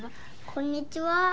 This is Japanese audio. こんにちは。